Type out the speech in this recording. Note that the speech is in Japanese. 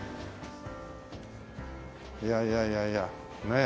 いやいやいやいやねえ。